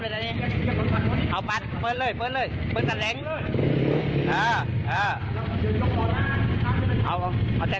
เอาขยกขยกขยกขยกขยกหน่อยขยกหน่อยขยกหน่อยขยกหน่อย